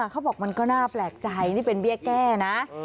เขาบอกมันก็น่าแปลกใจนี่เป็นเบี้ยแก้นะ